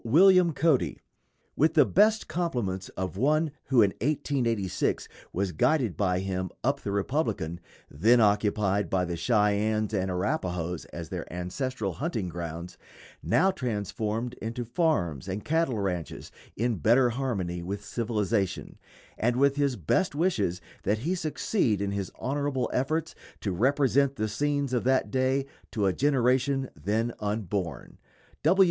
William Cody_: With the best compliments of one who in 1886 was guided by him up the Republican, then occupied by the Cheyennes and Arapahoes as their ancestral hunting grounds; now transformed into farms and cattle ranches, in better harmony with civilization, and with his best wishes that he succeed in his honorable efforts to represent the scenes of that day to a generation then unborn.